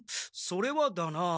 それはだな。